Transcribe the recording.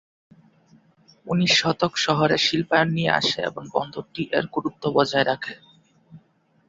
উনিশ শতক শহরে শিল্পায়ন নিয়ে আসে এবং বন্দরটি এর গুরুত্ব বজায় রাখে।